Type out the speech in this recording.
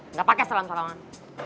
nggak pake salam salaman